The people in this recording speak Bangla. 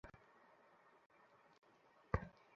রাহুল আমি চলে যাচ্ছি।